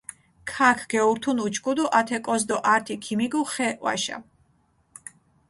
ქაქ გეურთუნ უჩქუდუ ათე კოს დო ართი ქიმიგუ ხე ჸვაშა.